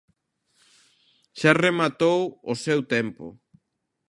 Xa rematou o seu tempo.